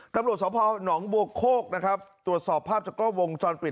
ตำรวจสอบภาพหนำบวกโคกตรวจสอบภาพจากรอบวงจอนปิด